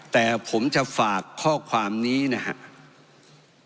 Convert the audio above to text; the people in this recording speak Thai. แต่ผมจะฝากข้อความนี้นะครับ